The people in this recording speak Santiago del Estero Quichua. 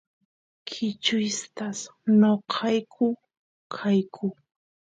kichwistas noqayku kayku